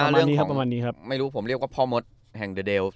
เรื่องนี้ครับประมาณนี้ครับไม่รู้ผมเรียกว่าพ่อมดแห่งเดล